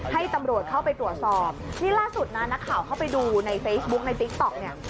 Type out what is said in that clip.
ให้ตำรวจเข้าไปตรวจสอบนี่ล่าสุดนะนักข่าวเข้าไปดูในเฟซบุ๊กในติ๊กต๊อกเนี่ย